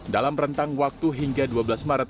dalam rentang waktu hingga dua belas maret